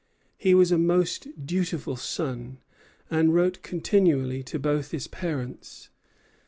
He was a most dutiful son, and wrote continually to both his parents.